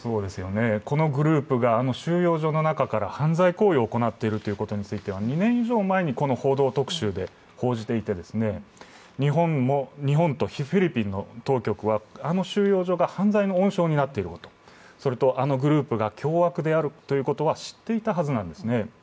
このグループがあの収容所の中から犯罪行為を行っているということについては２年以上前にこの「報道特集」で報じていて日本とフィリピンの当局はあの収容所が犯罪の温床になっていることと、あのグループが凶悪であるということは知っていたはずなんですね。